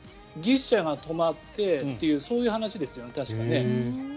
牛車が止まってというそういう話ですよね、確かね。